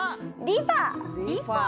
リファ！